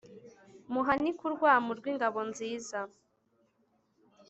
muhanike urwamu rw' ingabo nziza